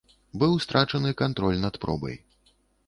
Быў страчаны кантроль над пробай.